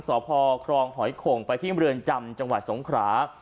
สพครองหอยโข่งไปที่เมืองจำจังหวัดสงขรา